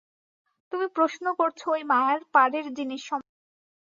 তুমি প্রশ্ন করছ ঐ মায়ার পারের জিনিষ সম্বন্ধে।